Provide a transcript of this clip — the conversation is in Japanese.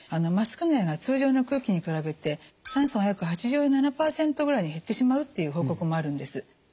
マスク内は通常の空気に比べて酸素が約８７％ぐらいに減ってしまうという報告もあるんです。